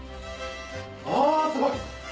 あすごい！